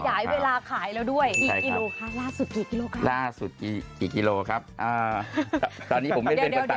ถามผลลัพธ์จากกระแสใหนหน่อยนะคะ